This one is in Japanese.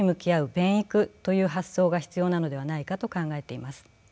便育という発想が必要なのではないかと考えています。